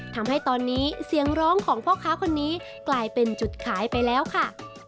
ทำให้ตอนนี้เสียงร้องของพ่อค้าคนนี้กลายเป็นจุดขายไปแล้วค่ะ